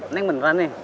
neng beneran nih